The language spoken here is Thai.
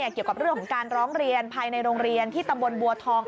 เกี่ยวกับเรื่องของการร้องเรียนภายในโรงเรียนที่ตำบลบัวทอง